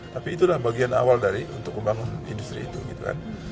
tapi itu adalah bagian awal untuk pembangunan industri itu